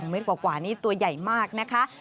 เมตรกว่านี้ตัวใหญ่มากนะคะ